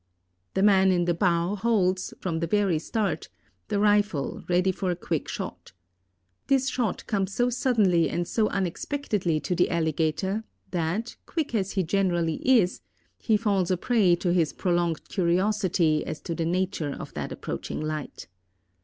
The man in the bow holds, from the very start, the rifle ready for a quick shot. This shot comes so suddenly and so unexpectedly to the alligator, that, quick as he generally is, he falls a prey to his prolonged curiosity as to the nature of that approaching light.